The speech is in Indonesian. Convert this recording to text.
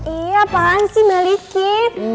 iya apaan sih balikin